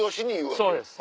そうです。